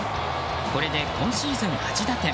これで今シーズン８打点。